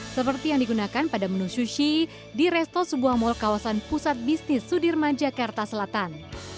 seperti yang digunakan pada menu sushi di resto sebuah mal kawasan pusat bisnis sudirman jakarta selatan